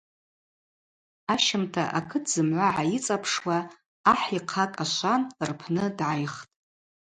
Ащымта акыт зымгӏва гӏайыцӏапшуа ахӏ йхъа кӏашван рпны дгӏайхтӏ.